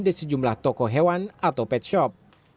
di sejumlah toko hewan atau pet shop